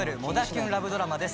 キュンラブドラマです。